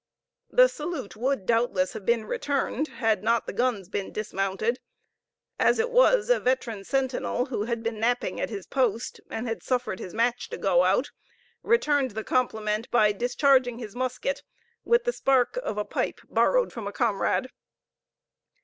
The salute would doubtless have been returned, had not the guns been dismounted; as it was, a veteran sentinel who had been napping at his post, and had suffered his match to go out, returned the compliment by discharging his musket with the spark of a pipe borrowed from a comrade.